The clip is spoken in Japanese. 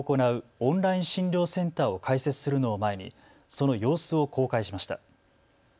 オンライン診療センターを開設するのを前にその様子を公開しました。